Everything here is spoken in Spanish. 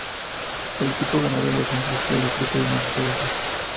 El equipo ganador en los hombres fue África y en las mujeres Rusia.